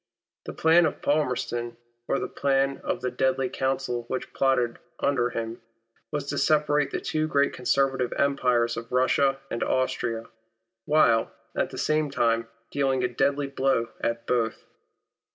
The plan of Palmerston — or the plan of the deadly council which plotted under him — was to separate the two great conservative empires of Russia and Austria, while, at the same time, dealing a deadly blow at both.